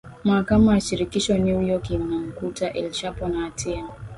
Mahakama ya Shirikisho New York imemkuta El Chapo na hatia